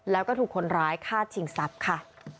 แล้วก็ถูกคนร้ายฆ่าชิงทรัพย์ค่ะ